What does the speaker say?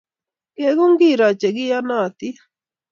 Ngeeku kiro che iyanotin